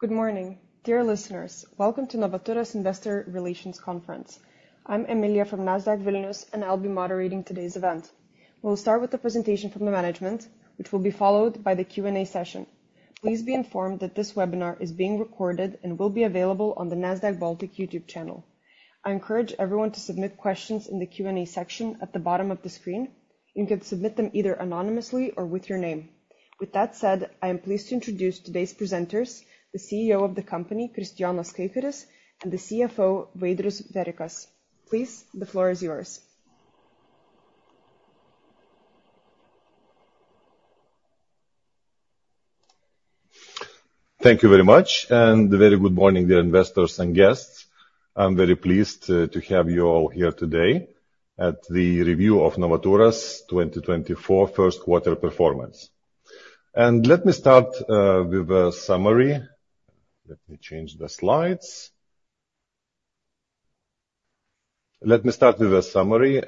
Good morning, dear listeners. Welcome to Novaturas Investor Relations Conference. I'm Emilija from Nasdaq Vilnius, and I'll be moderating today's event. We'll start with the presentation from the management, which will be followed by the Q&A session. Please be informed that this webinar is being recorded and will be available on the Nasdaq Baltic YouTube channel. I encourage everyone to submit questions in the Q&A section at the bottom of the screen. You can submit them either anonymously or with your name. With that said, I am pleased to introduce today's presenters, the CEO of the company, Kristijonas Kaikaris, and the CFO, Vaidrius Verikas. Please, the floor is yours. Thank you very much, and a very good morning, dear investors and guests. I'm very pleased to have you all here today at the review of Novaturas' 2024 first quarter performance. Let me start with a summary. Let me change the slides. Let me start with a summary,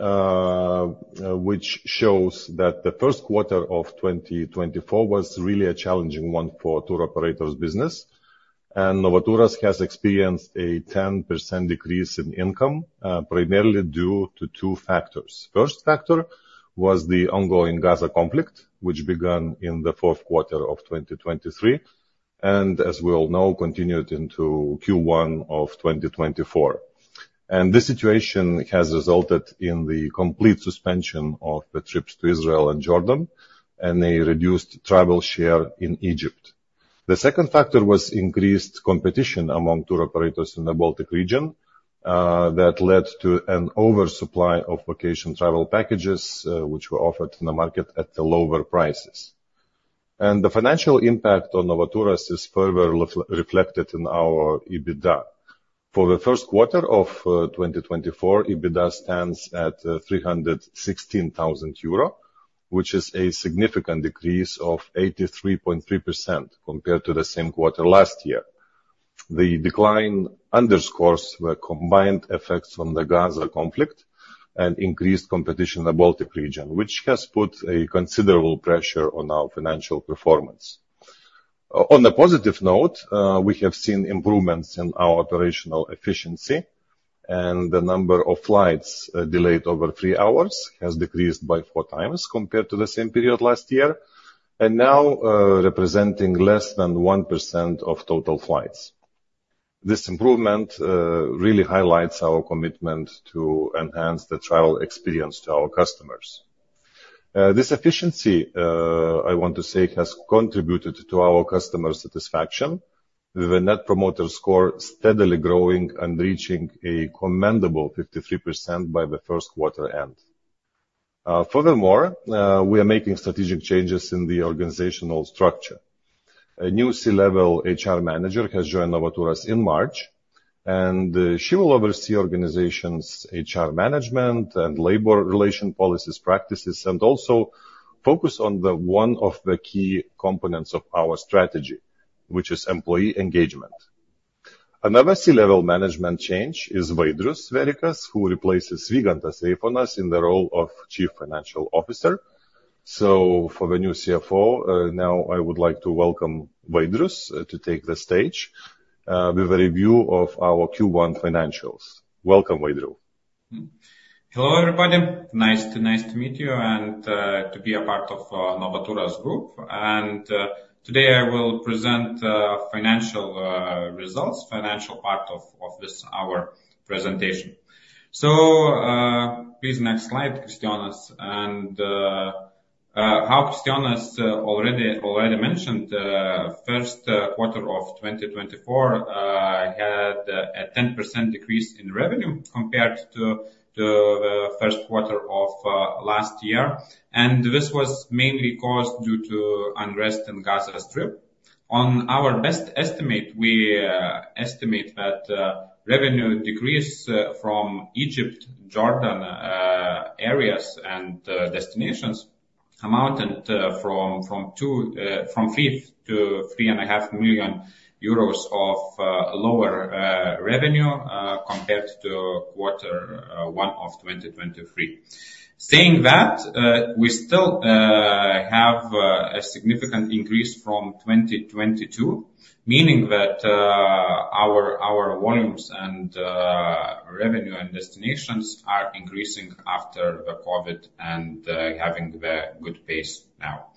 which shows that the first quarter of 2024 was really a challenging one for tour operators business. Novaturas has experienced a 10% decrease in income, primarily due to two factors. First factor was the ongoing Gaza conflict, which began in the fourth quarter of 2023, and as we all know, continued into Q1 of 2024. This situation has resulted in the complete suspension of the trips to Israel and Jordan, and a reduced travel share in Egypt. The second factor was increased competition among tour operators in the Baltic region, that led to an oversupply of vacation travel packages, which were offered in the market at the lower prices. The financial impact on Novaturas is further reflected in our EBITDA. For the first quarter of 2024, EBITDA stands at 316,000 euro, which is a significant decrease of 83.3% compared to the same quarter last year. The decline underscores the combined effects from the Gaza conflict and increased competition in the Baltic region, which has put a considerable pressure on our financial performance. On a positive note, we have seen improvements in our operational efficiency, and the number of flights delayed over three hours has decreased by four times compared to the same period last year, and now representing less than 1% of total flights. This improvement really highlights our commitment to enhance the travel experience to our customers. This efficiency, I want to say, has contributed to our customer satisfaction, with the Net Promoter Score steadily growing and reaching a commendable 53% by the first quarter end. Furthermore, we are making strategic changes in the organizational structure. A new C-level HR manager has joined Novaturas in March, and she will oversee organization's HR management and labor relation policies, practices, and also focus on the one of the key components of our strategy, which is employee engagement. Another C-level management change is Vaidrius Verikas, who replaces Vygantas Reifonas in the role of Chief Financial Officer. So for the new CFO, now I would like to welcome Vaidrius, to take the stage, with a review of our Q1 financials. Welcome, Vaidrius. Hello, everybody. Nice to meet you and to be a part of Novaturas Group. Today I will present financial results, financial part of this our presentation. So, please, next slide, Kristijonas. And how Kristijonas already mentioned, first quarter of 2024 had a 10% decrease in revenue compared to the first quarter of last year. This was mainly caused due to unrest in Gaza Strip. On our best estimate, we estimate that revenue decrease from Egypt, Jordan areas and destinations amounted 3 million-3.5 million euros of lower revenue compared to quarter one of 2023. Saying that, we still have a significant increase from 2022, meaning that our volumes and revenue and destinations are increasing after the COVID and having the good pace now.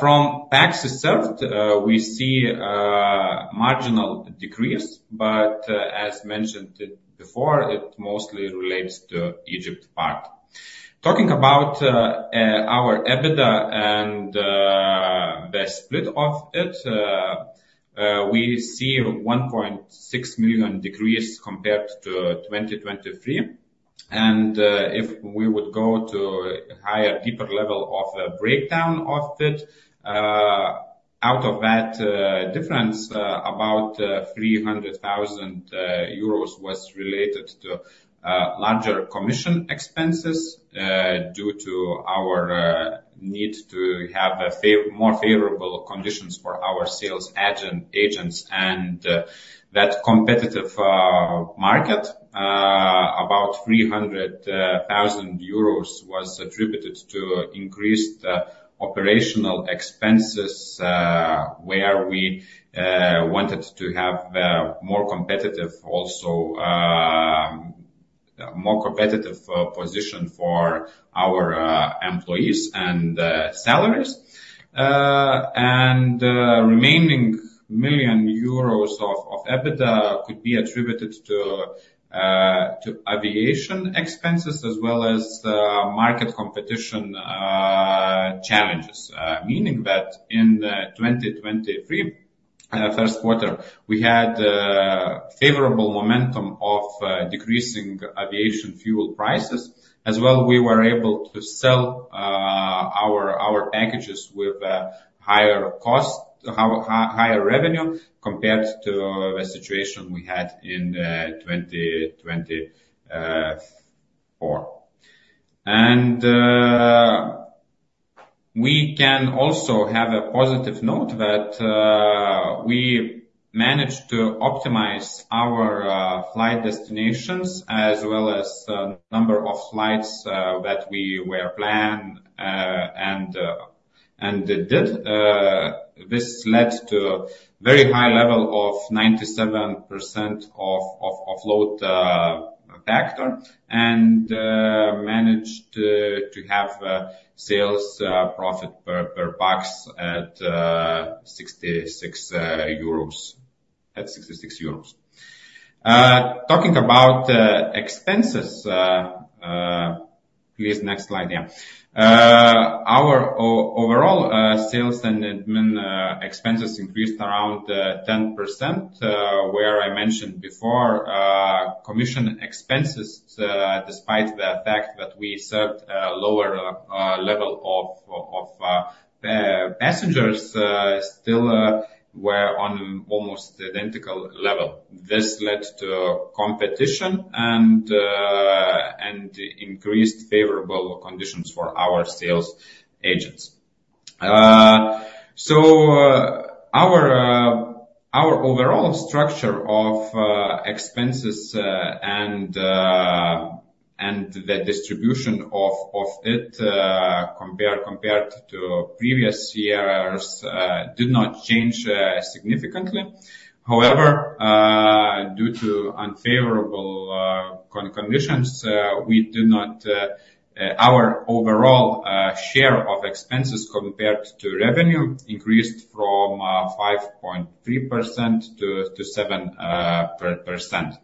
From pax served, we see marginal decrease, but as mentioned before, it mostly relates to Egypt part. Talking about our EBITDA and the split of it, we see 1.6 million decrease compared to 2023. If we would go to higher, deeper level of the breakdown of it, out of that difference, about 300,000 euros was related to larger commission expenses due to our need to have more favorable conditions for our sales agents and that competitive market. About 300,000 euros was attributed to increased operational expenses, where we wanted to have more competitive also, more competitive position for our employees and salaries. And remaining 1 million euros of EBITDA could be attributed to aviation expenses as well as market competition challenges. Meaning that in 2023 first quarter, we had favorable momentum of decreasing aviation fuel prices. As well, we were able to sell our packages with higher cost, higher revenue compared to the situation we had in 2024. And we can also have a positive note that we managed to optimize our flight destinations as well as the number of flights that we were planned and did. This led to very high level of 97% load factor, and managed to have sales profit per pax at 66 euros, at 66 euros. Talking about expenses, please, next slide, yeah. Our overall sales and admin expenses increased around 10%, where I mentioned before, commission expenses, despite the fact that we served a lower level of passengers, still were on almost identical level. This led to competition and increased favorable conditions for our sales agents. So, our overall structure of expenses and the distribution of it compared to previous years did not change significantly. However, due to unfavorable conditions, our overall share of expenses compared to revenue increased from 5.3% to 7%.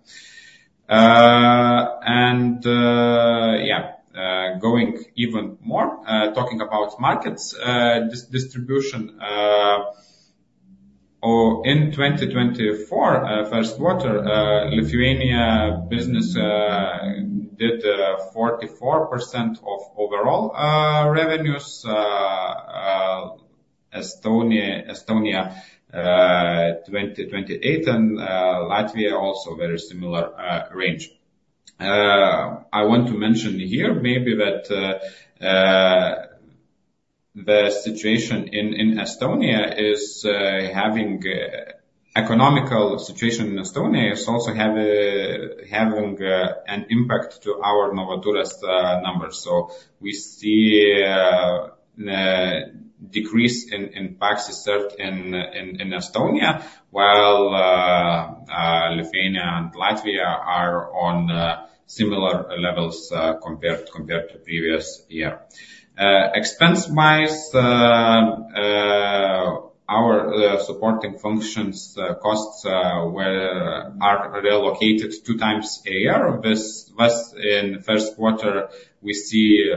Yeah, going even more talking about markets distribution or in 2024 first quarter, Lithuania business did 44% of overall revenues. Estonia 28%, and Latvia also very similar range. I want to mention here maybe that the situation in Estonia is having... economical situation in Estonia is also having an impact to our Novaturas numbers. We see a decrease in pax served in Estonia, while Lithuania and Latvia are on similar levels compared to previous year. Expense-wise, our supporting functions costs are reallocated two times a year. Thus, in the first quarter, we see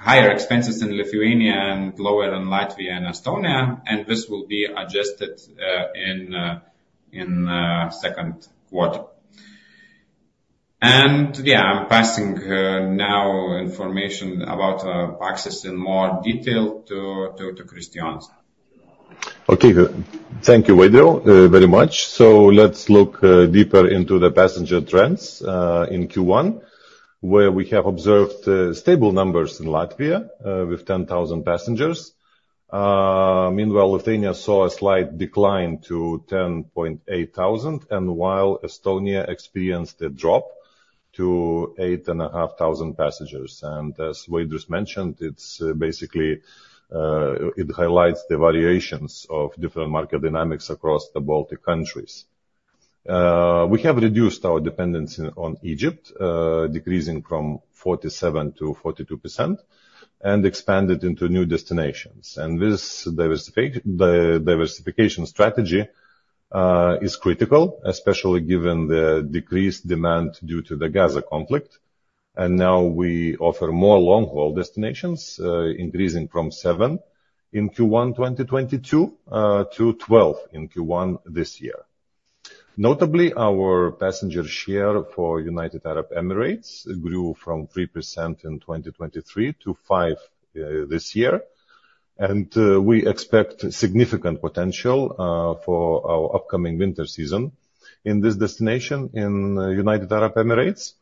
higher expenses in Lithuania and lower in Latvia and Estonia, and this will be adjusted in second quarter. Yeah, I'm passing now information about pax in more detail to Kristijonas. Okay. Thank you, Vaidrius, very much. So let's look deeper into the passenger trends in Q1, where we have observed stable numbers in Latvia with 10,000 passengers. Meanwhile, Lithuania saw a slight decline to 10,800, and while Estonia experienced a drop to 8,500 passengers. And as Vaidrius mentioned, it's basically it highlights the variations of different market dynamics across the Baltic countries. We have reduced our dependency on Egypt decreasing from 47% to 42% and expanded into new destinations. And this diversification strategy is critical, especially given the decreased demand due to the Gaza conflict. And now we offer more long-haul destinations increasing from seven in Q1 2022 to 12 in Q1 this year. Notably, our passenger share for United Arab Emirates grew from 3% in 2023 to 5% this year. And we expect significant potential for our upcoming winter season in this destination in United Arab Emirates.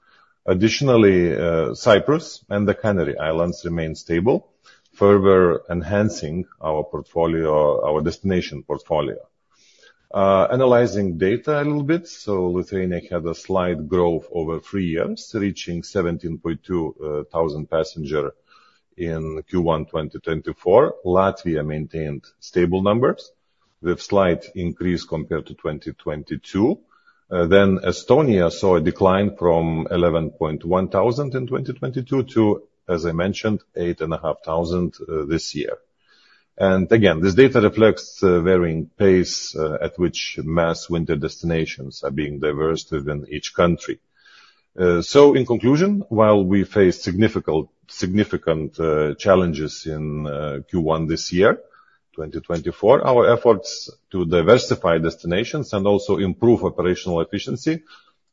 Additionally, Cyprus and the Canary Islands remain stable, further enhancing our portfolio, our destination portfolio. Analyzing data a little bit, so Lithuania had a slight growth over three years, reaching 17,200 passenger in Q1 2024. Latvia maintained stable numbers, with slight increase compared to 2022. Then Estonia saw a decline from 11,100 in 2022 to, as I mentioned, 8,500 this year. And again, this data reflects varying pace at which mass winter destinations are being diversified within each country. So in conclusion, while we face significant, significant, challenges in Q1 this year, 2024, our efforts to diversify destinations and also improve operational efficiency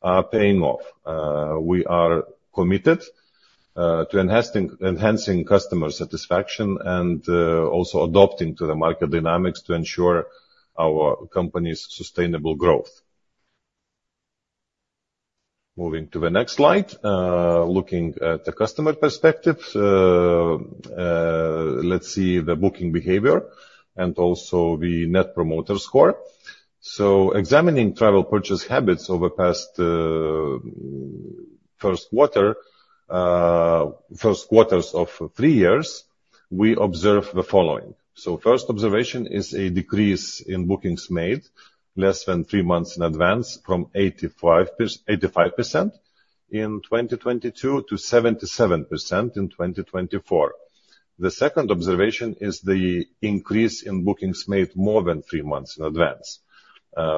are paying off. We are committed to enhancing, enhancing customer satisfaction and also adapting to the market dynamics to ensure our company's sustainable growth. Moving to the next slide. Looking at the customer perspective, let's see the booking behavior and also the Net Promoter Score. So examining travel purchase habits over past first quarter, first quarters of three years, we observe the following. So first observation is a decrease in bookings made less than three months in advance from 85% in 2022 to 77% in 2024. The second observation is the increase in bookings made more than three months in advance,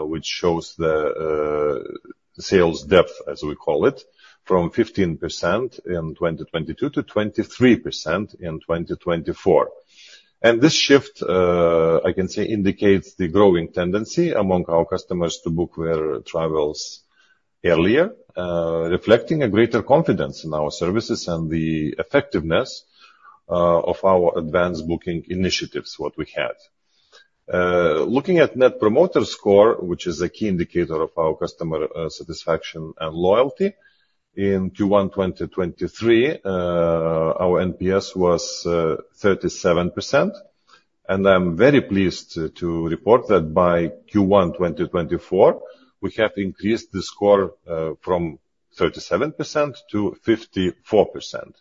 which shows the sales depth, as we call it, from 15% in 2022 to 23% in 2024. This shift, I can say, indicates the growing tendency among our customers to book their travels earlier, reflecting a greater confidence in our services and the effectiveness of our advanced booking initiatives, what we had. Looking at Net Promoter Score, which is a key indicator of our customer satisfaction and loyalty, in Q1 2023, our NPS was 37%, and I'm very pleased to report that by Q1 2024, we have increased the score from 37% to 54%.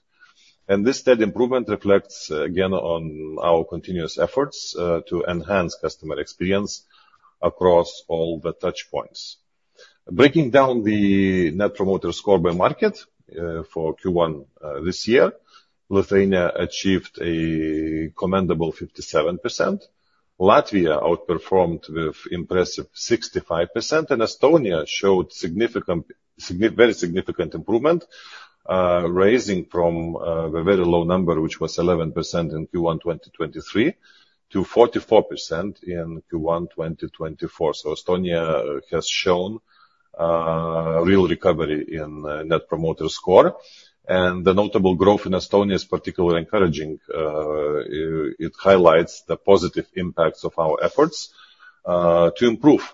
This steady improvement reflects, again, on our continuous efforts to enhance customer experience across all the touch points. Breaking down the Net Promoter Score by market, for Q1, this year, Lithuania achieved a commendable 57%, Latvia outperformed with impressive 65%, and Estonia showed very significant improvement, raising from a very low number, which was 11% in Q1, 2023, to 44% in Q1, 2024. So Estonia has shown real recovery in Net Promoter Score, and the notable growth in Estonia is particularly encouraging. It highlights the positive impacts of our efforts to improve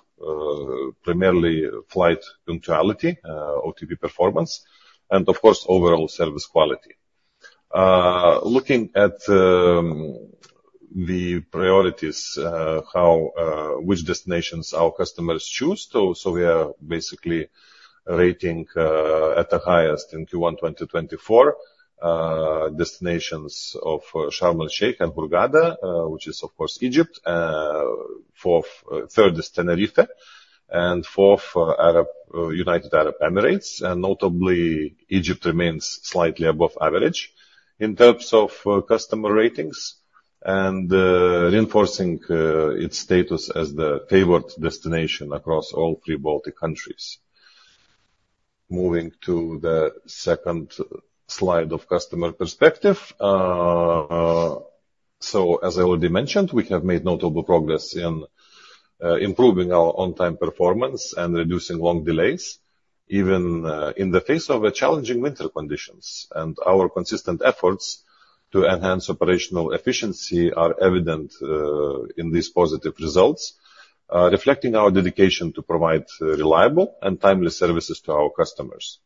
primarily flight punctuality, OTP performance, and of course, overall service quality. Looking at the priorities, how which destinations our customers choose, so we are basically rating at the highest in Q1, 2024, destinations of Sharm el-Sheikh and Hurghada, which is, of course, Egypt. Fourth, third is Tenerife, and fourth, Arab, United Arab Emirates. And notably, Egypt remains slightly above average in terms of, customer ratings and, reinforcing, its status as the favored destination across all three Baltic countries. Moving to the second slide of customer perspective. So, as I already mentioned, we have made notable progress in, improving our on-time performance and reducing long delays, even, in the face of a challenging winter conditions. And our consistent efforts to enhance operational efficiency are evident, in these positive results, reflecting our dedication to provide reliable and timely services to our customers.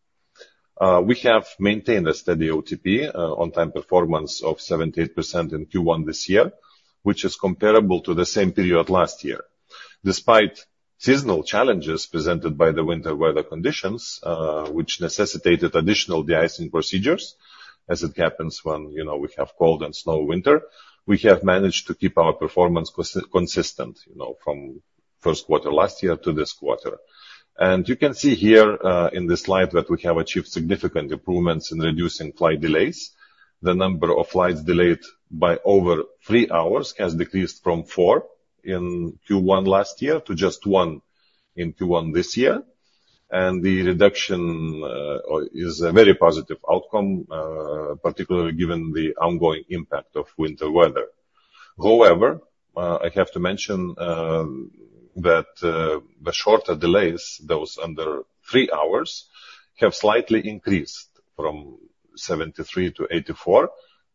We have maintained a steady OTP, on-time performance, of 78% in Q1 this year, which is comparable to the same period last year. Despite seasonal challenges presented by the winter weather conditions, which necessitated additional de-icing procedures, as it happens when, you know, we have cold and snow winter, we have managed to keep our performance consistent, you know, from first quarter last year to this quarter. And you can see here, in this slide, that we have achieved significant improvements in reducing flight delays. The number of flights delayed by over three hours has decreased from four in Q1 last year to just one in Q1 this year, and the reduction is a very positive outcome, particularly given the ongoing impact of winter weather. However, I have to mention that the shorter delays, those under three hours, have slightly increased from 73 to 84,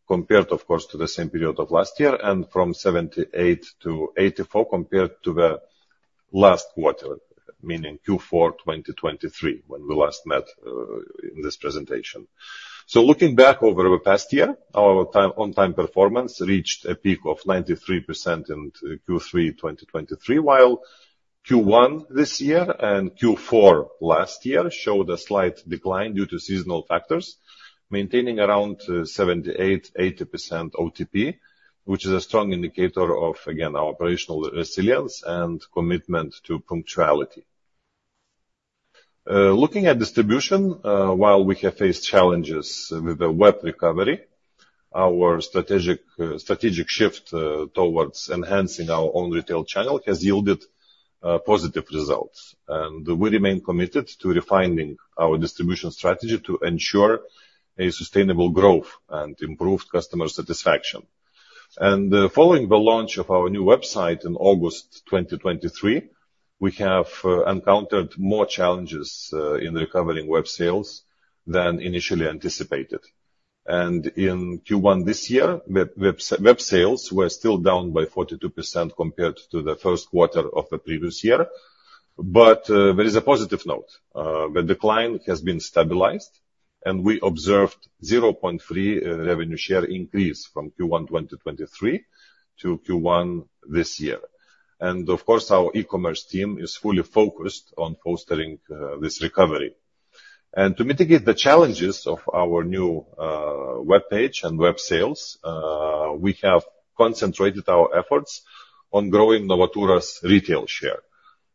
compared, of course, to the same period of last year, and from 78 to 84, compared to the last quarter. Meaning Q4 2023, when we last met, in this presentation. Looking back over the past year, our time, on time performance reached a peak of 93% in Q3 2023, while Q1 this year and Q4 last year showed a slight decline due to seasonal factors, maintaining around 78%-80% OTP, which is a strong indicator of, again, our operational resilience and commitment to punctuality. Looking at distribution, while we have faced challenges with the web recovery, our strategic, strategic shift, towards enhancing our own retail channel has yielded, positive results. We remain committed to refining our distribution strategy to ensure a sustainable growth and improved customer satisfaction. Following the launch of our new website in August 2023, we have, encountered more challenges, in recovering web sales than initially anticipated. In Q1 this year, web sales were still down by 42% compared to the first quarter of the previous year. But there is a positive note. The decline has been stabilized, and we observed 0.3 revenue share increase from Q1 2023 to Q1 this year. And of course, our e-commerce team is fully focused on fostering this recovery. And to mitigate the challenges of our new web page and web sales, we have concentrated our efforts on growing Novaturas' retail share.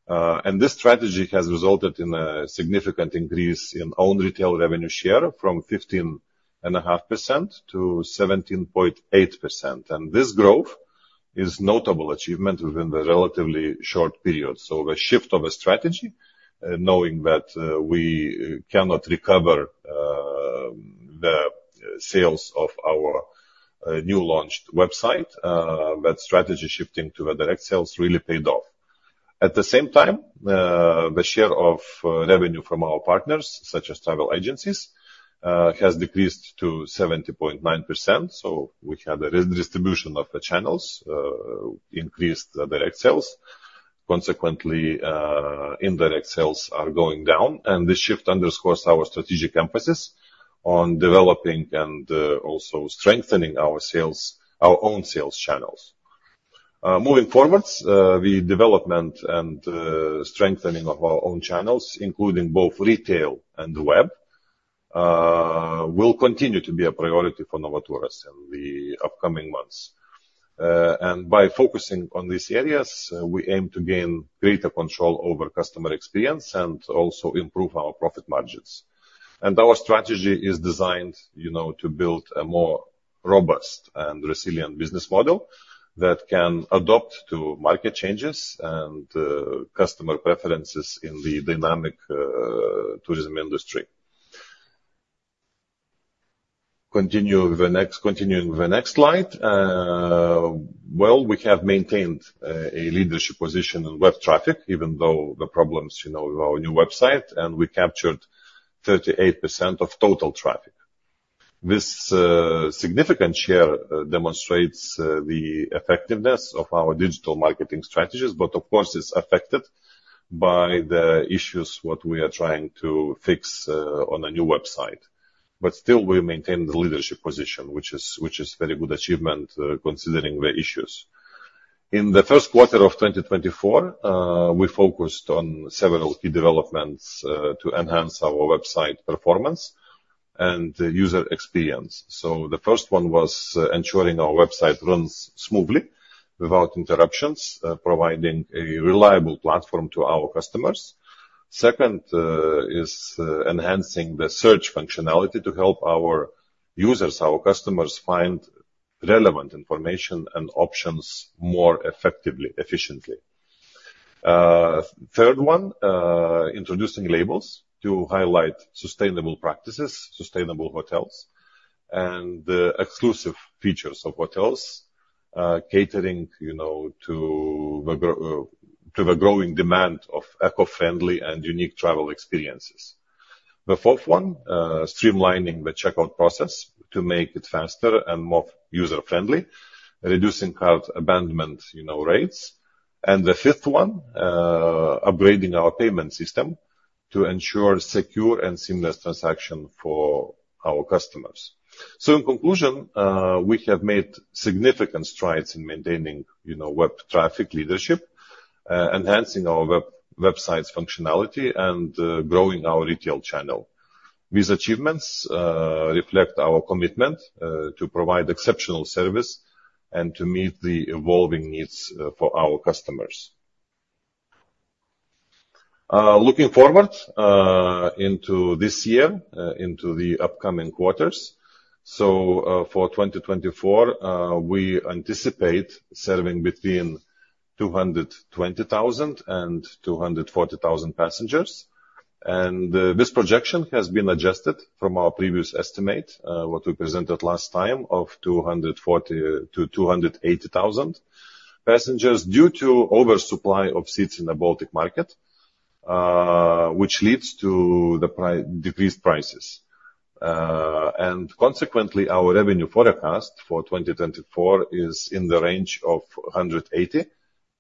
And this strategy has resulted in a significant increase in own retail revenue share from 15.5% to 17.8%. And this growth is notable achievement within the relatively short period. So the shift of a strategy, knowing that, we cannot recover, the sales of our, new launched website, that strategy shifting to the direct sales really paid off. At the same time, the share of, revenue from our partners, such as travel agencies, has decreased to 70.9%, so we have the re-distribution of the channels, increased the direct sales. Consequently, indirect sales are going down, and this shift underscores our strategic emphasis on developing and, also strengthening our sales, our own sales channels. Moving forwards, the development and, strengthening of our own channels, including both retail and web, will continue to be a priority for Novaturas in the upcoming months. And by focusing on these areas, we aim to gain greater control over customer experience and also improve our profit margins. Our strategy is designed, you know, to build a more robust and resilient business model that can adapt to market changes and, customer preferences in the dynamic, tourism industry. Continuing the next slide. Well, we have maintained a leadership position in web traffic, even though the problems, you know, with our new website, and we captured 38% of total traffic. This significant share demonstrates the effectiveness of our digital marketing strategies, but of course, it's affected by the issues what we are trying to fix on a new website. But still, we maintain the leadership position, which is a very good achievement, considering the issues. In the first quarter of 2024, we focused on several key developments to enhance our website performance and user experience. So the first one was ensuring our website runs smoothly without interruptions, providing a reliable platform to our customers. Second, is enhancing the search functionality to help our users, our customers, find relevant information and options more effectively, efficiently. Third one, introducing labels to highlight sustainable practices, sustainable hotels, and exclusive features of hotels, catering, you know, to the growing demand of eco-friendly and unique travel experiences. The fourth one, streamlining the checkout process to make it faster and more user-friendly, reducing cart abandonment, you know, rates. And the fifth one, upgrading our payment system to ensure secure and seamless transaction for our customers. So in conclusion, we have made significant strides in maintaining, you know, web traffic leadership, enhancing our website's functionality, and growing our retail channel. These achievements reflect our commitment to provide exceptional service and to meet the evolving needs for our customers. Looking forward into this year into the upcoming quarters. So, for 2024, we anticipate serving between 220,000 and 240,000 passengers. This projection has been adjusted from our previous estimate, what we presented last time, of 240,000-280,000 passengers due to oversupply of seats in the Baltic market, which leads to decreased prices. Consequently, our revenue forecast for 2024 is in the range of 180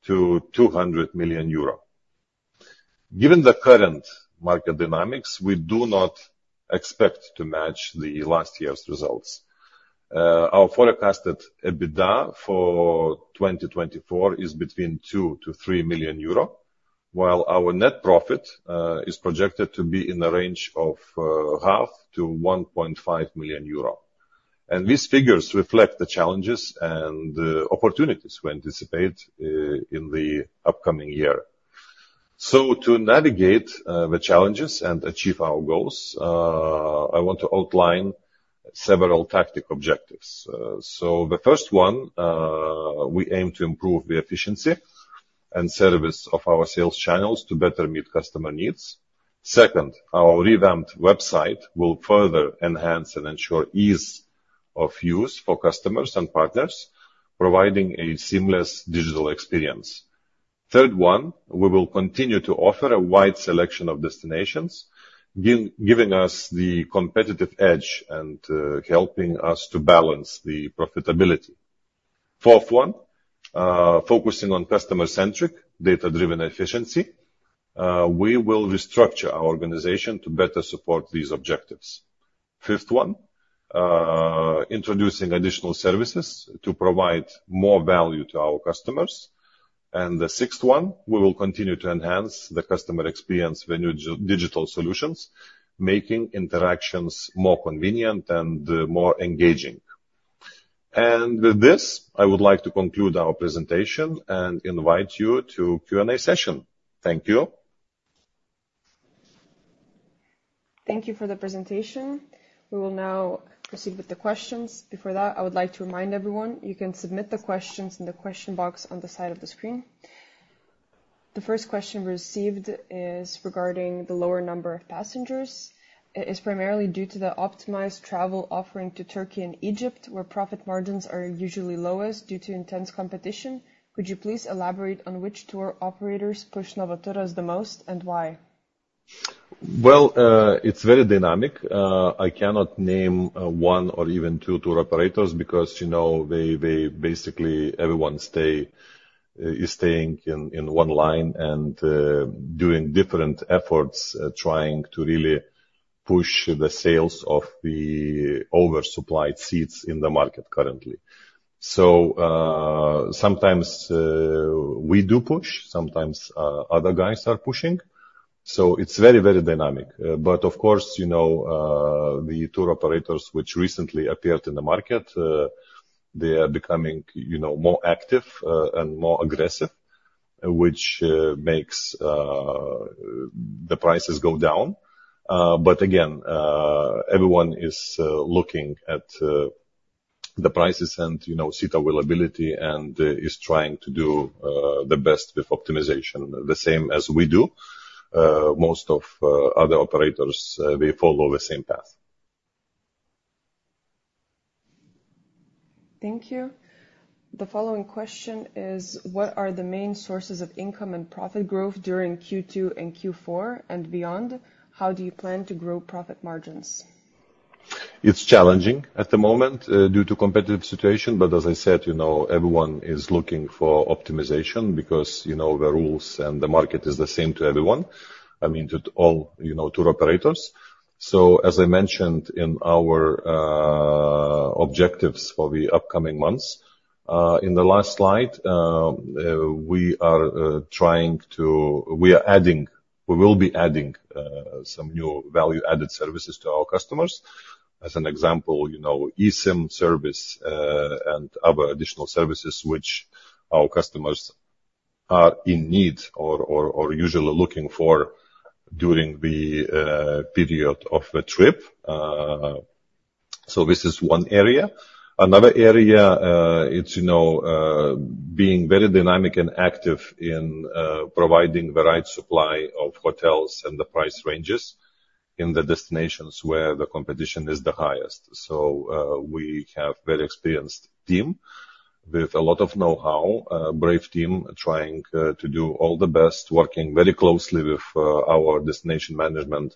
million-200 million euro. Given the current market dynamics, we do not expect to match the last year's results. Our forecasted EBITDA for 2024 is between 2 million-3 million euro, while our net profit is projected to be in the range of 0.5 million-1.5 million euro. These figures reflect the challenges and opportunities we anticipate in the upcoming year. To navigate the challenges and achieve our goals, I want to outline several tactical objectives. So the first one, we aim to improve the efficiency and service of our sales channels to better meet customer needs. Second, our revamped website will further enhance and ensure ease of use for customers and partners, providing a seamless digital experience. Third one, we will continue to offer a wide selection of destinations, giving us the competitive edge and helping us to balance the profitability. Fourth one, focusing on customer-centric, data-driven efficiency, we will restructure our organization to better support these objectives. Fifth one, introducing additional services to provide more value to our customers. And the sixth one, we will continue to enhance the customer experience with new digital solutions, making interactions more convenient and, more engaging. And with this, I would like to conclude our presentation and invite you to Q&A session. Thank you. Thank you for the presentation. We will now proceed with the questions. Before that, I would like to remind everyone, you can submit the questions in the question box on the side of the screen. The first question we received is regarding the lower number of passengers. It is primarily due to the optimized travel offering to Turkey and Egypt, where profit margins are usually lowest due to intense competition. Could you please elaborate on which tour operators push Novaturas the most, and why? Well, it's very dynamic. I cannot name one or even two tour operators because, you know, they basically... everyone is staying in one line and doing different efforts, trying to really push the sales of the oversupplied seats in the market currently. So, sometimes we do push, sometimes other guys are pushing. So it's very, very dynamic. But of course, you know, the tour operators which recently appeared in the market, they are becoming, you know, more active and more aggressive, which makes the prices go down. But again, everyone is looking at the prices and, you know, seat availability and is trying to do the best with optimization, the same as we do. Most of other operators, they follow the same path. Thank you. The following question is: What are the main sources of income and profit growth during Q2 and Q4 and beyond? How do you plan to grow profit margins? It's challenging at the moment due to competitive situation. But as I said, you know, everyone is looking for optimization because, you know, the rules and the market is the same to everyone, I mean, to all, you know, tour operators. So as I mentioned in our objectives for the upcoming months in the last slide, we are adding... we will be adding some new value-added services to our customers. As an example, you know, eSIM service and other additional services which our customers are in need or usually looking for during the period of the trip. So this is one area. Another area, it's, you know, being very dynamic and active in, providing the right supply of hotels and the price ranges in the destinations where the competition is the highest. So, we have very experienced team with a lot of know-how, brave team trying, to do all the best, working very closely with, our destination management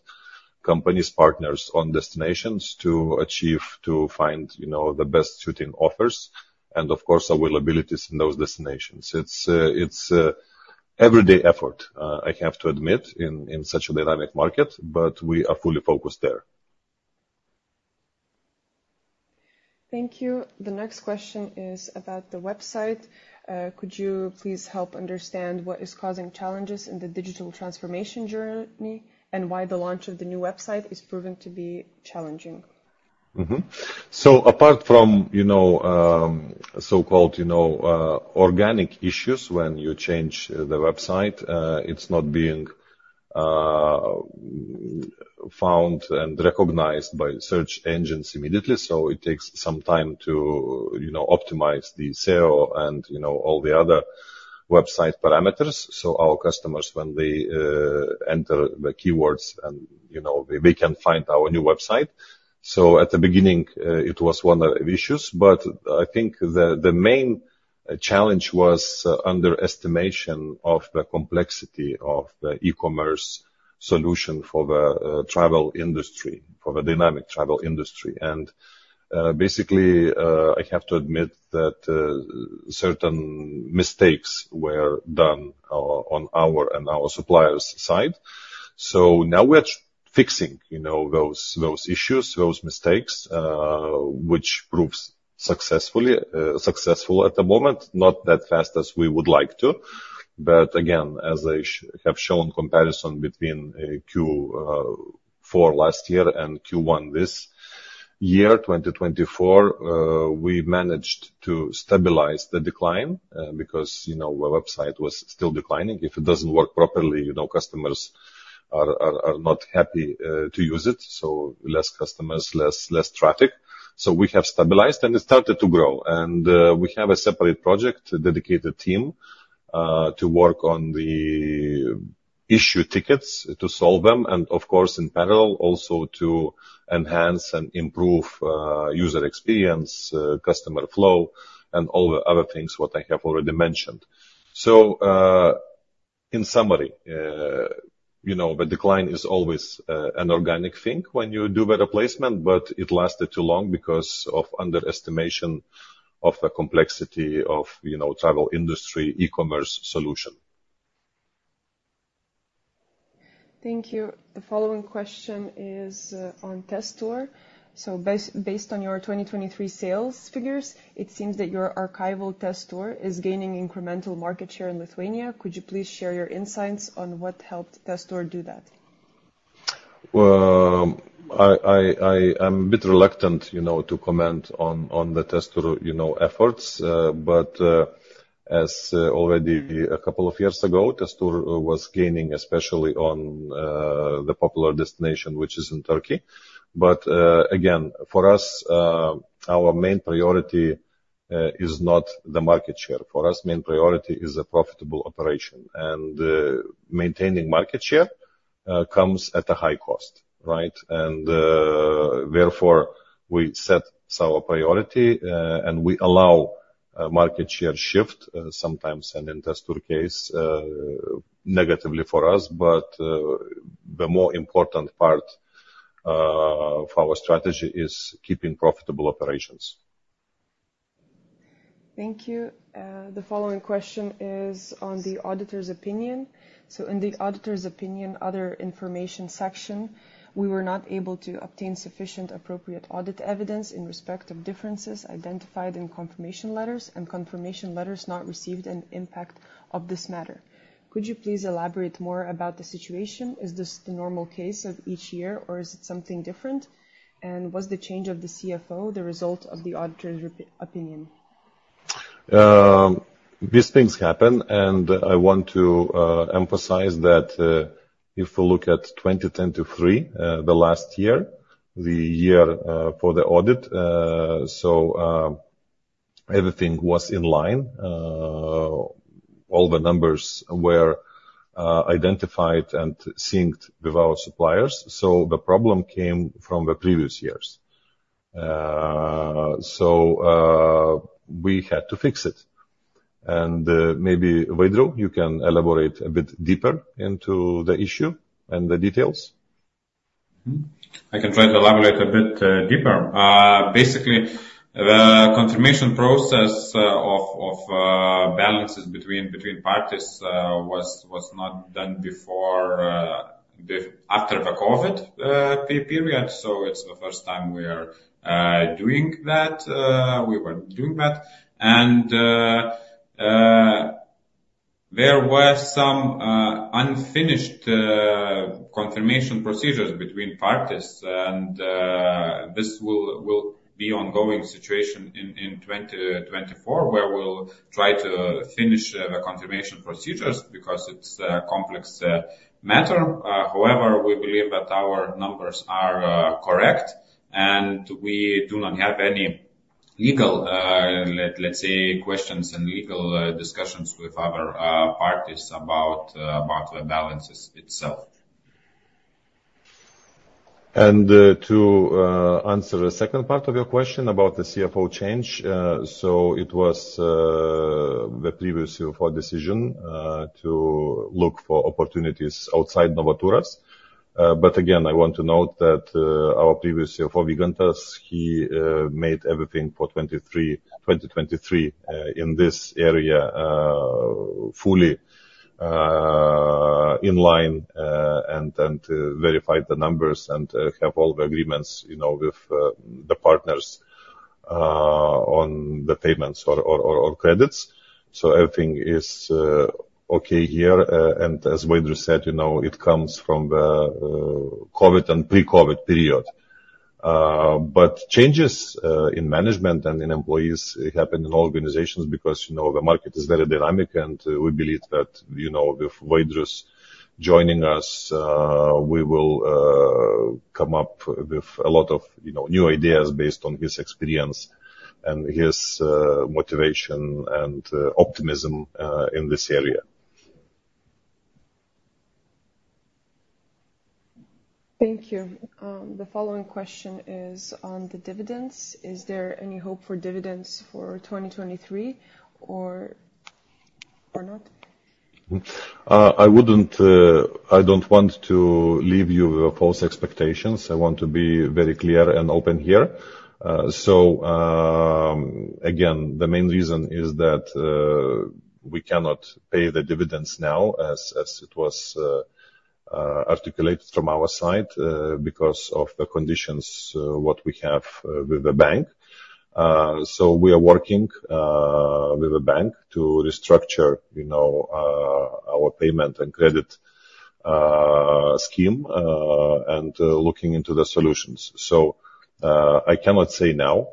companies, partners on destinations to achieve, to find, you know, the best suiting offers and of course, availabilities in those destinations. It's everyday effort, I have to admit, in such a dynamic market, but we are fully focused there. Thank you. The next question is about the website. Could you please help understand what is causing challenges in the digital transformation journey, and why the launch of the new website is proven to be challenging? Mm-hmm. So apart from, you know, so-called, you know, organic issues, when you change the website, it's not being found and recognized by search engines immediately, so it takes some time to, you know, optimize the SEO and, you know, all the other website parameters. So our customers, when they enter the keywords and, you know, they can find our new website... So at the beginning, it was one of the issues, but I think the main challenge was underestimation of the complexity of the e-commerce solution for the travel industry, for the dynamic travel industry. And basically, I have to admit that certain mistakes were done on our and our suppliers' side. So now we are fixing, you know, those, those issues, those mistakes, which proves successfully successful at the moment, not that fast as we would like to. But again, as I have shown comparison between Q4 last year and Q1 this year, 2024, we managed to stabilize the decline because, you know, the website was still declining. If it doesn't work properly, you know, customers are not happy to use it, so less customers, less traffic. So we have stabilized and it started to grow. We have a separate project, a dedicated team to work on the issue tickets, to solve them, and of course, in parallel, also to enhance and improve user experience, customer flow, and all the other things what I have already mentioned. So, in summary, you know, the decline is always an organic thing when you do better placement, but it lasted too long because of underestimation of the complexity of, you know, travel industry, e-commerce solution. Thank you. The following question is on Tez Tour. So based on your 2023 sales figures, it seems that your rival Tez Tour is gaining incremental market share in Lithuania. Could you please share your insights on what helped Tez Tour do that? Well, I'm a bit reluctant, you know, to comment on the Tez Tour, you know, efforts, but as already a couple of years ago, Tez Tour was gaining, especially on the popular destination, which is in Turkey. But again, for us, our main priority is not the market share. For us, main priority is a profitable operation, and maintaining market share comes at a high cost, right? And therefore, we set our priority, and we allow a market share shift sometimes, and in Tez Tour case, negatively for us. But the more important part of our strategy is keeping profitable operations. Thank you. The following question is on the auditor's opinion. So in the auditor's opinion, other information section, we were not able to obtain sufficient, appropriate audit evidence in respect of differences identified in confirmation letters and confirmation letters not received, an impact of this matter. Could you please elaborate more about the situation? Is this the normal case of each year, or is it something different? And was the change of the CFO the result of the auditor's report opinion? These things happen, and I want to emphasize that, if we look at 2010-2013, the last year for the audit, so, everything was in line. All the numbers were identified and synced with our suppliers. So the problem came from the previous years. So, we had to fix it. And, maybe, Vaidrius, you can elaborate a bit deeper into the issue and the details. Mm-hmm. I can try to elaborate a bit deeper. Basically, the confirmation process of balances between parties was not done before after the COVID period. So it's the first time we are doing that, we were doing that. And there were some unfinished confirmation procedures between parties, and this will be ongoing situation in 2024, where we'll try to finish the confirmation procedures because it's a complex matter. However, we believe that our numbers are correct, and we do not have any legal, let's say, questions and legal discussions with other parties about the balances itself. To answer the second part of your question about the CFO change. So it was the previous CFO decision to look for opportunities outside Novaturas. But again, I want to note that our previous CFO, Vygantas, he made everything for 2023 in this area fully in line and verified the numbers and have all the agreements, you know, with the partners on the payments or credits. So everything is okay here. And as Vaidrius said, you know, it comes from the COVID and pre-COVID period. But changes in management and in employees happen in all organizations because, you know, the market is very dynamic, and we believe that, you know, with Vaidrius' joining us, we will come up with a lot of, you know, new ideas based on his experience and his motivation and optimism in this area. Thank you. The following question is on the dividends. Is there any hope for dividends for 2023 or, or not? I wouldn't... I don't want to leave you with false expectations. I want to be very clear and open here. So, again, the main reason is that we cannot pay the dividends now, as it was articulated from our side, because of the conditions what we have with the bank. So we are working with the bank to restructure, you know, our payment and credit scheme, and looking into the solutions. So, I cannot say now,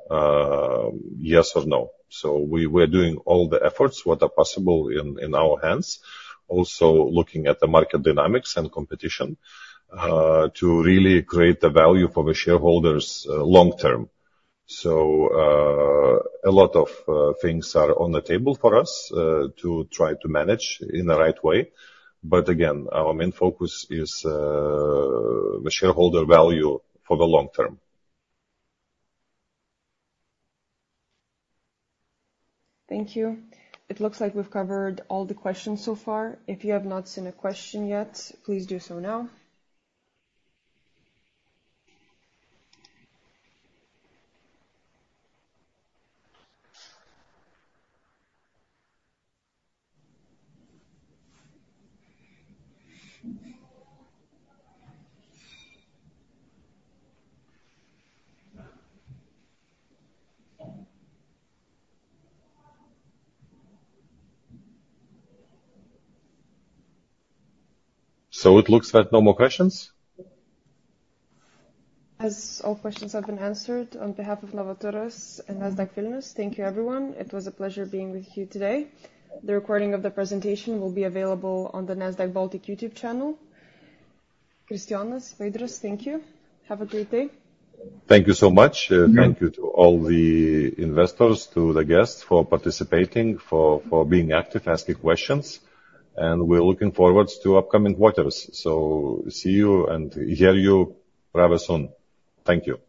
yes or no. So we, we're doing all the efforts what are possible in our hands. Also, looking at the market dynamics and competition, to really create the value for the shareholders, long term. So, a lot of things are on the table for us to try to manage in the right way. But again, our main focus is the shareholder value for the long term. Thank you. It looks like we've covered all the questions so far. If you have not seen a question yet, please do so now. So it looks like no more questions? As all questions have been answered, on behalf of Novaturas and Nasdaq Vilnius, thank you, everyone. It was a pleasure being with you today. The recording of the presentation will be available on the Nasdaq Baltic YouTube channel. Kristijonas, Vaidrius, thank you. Have a great day. Thank you so much. Thank you to all the investors, to the guests, for participating, for being active, asking questions, and we're looking forward to upcoming quarters. So see you and hear you rather soon. Thank you.